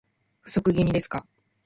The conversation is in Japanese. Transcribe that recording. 不足気味ですか